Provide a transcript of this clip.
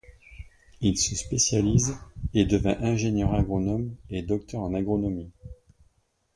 Il se spécialise et devient ingénieur agronome et docteur en agronomie.